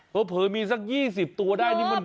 เพราะเผยมีสัก๒๐ตัวได้นี่มันดง